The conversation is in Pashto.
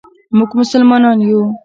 مونږ مسلمانان یو.